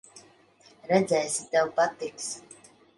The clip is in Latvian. Redzēsi, tev patiks.